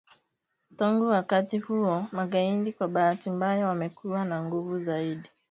Tangu wakati huo magaidi kwa bahati mbaya wamekuwa na nguvu zaidi